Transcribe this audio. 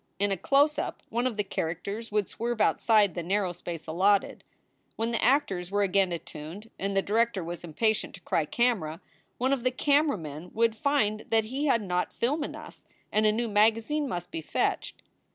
In a close up one of the characters would swerve outside the narrow space allotted. When the actors were again attuned and the director was impatient to cry, "Camera!" one of the camera men would find that he had not film enough and a new magazine must be fetched.